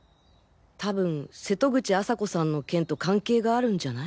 多分瀬戸口朝子さんの件と関係があるんじゃない？